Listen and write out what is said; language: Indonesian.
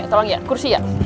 tolong ya kursi ya